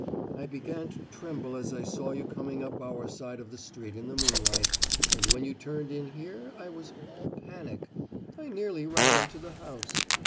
I began to tremble as I saw you coming up our side of the street in the moonlight and when you turned in here I was all panic I nearly ran into the house.